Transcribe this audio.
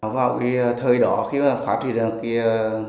vào thời đó khi phát triển ra kia